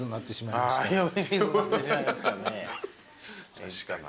確かにな。